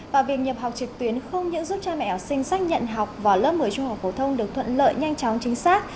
và việc nhập học trực tuyến không những giúp cha mẹ học sinh xác nhận học vào lớp một mươi trung học phổ thông được thuận lợi nhanh chóng chính xác